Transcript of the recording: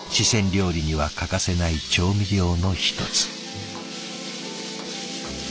料理には欠かせない調味料の一つ。